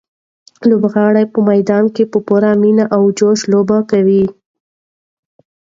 لوبغاړي په میدان کې په پوره مینه او جوش لوبه کوي.